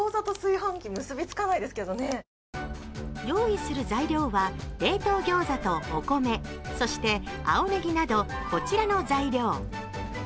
用意する材料は冷凍餃子とお米そして青ねぎなどこちらの材料。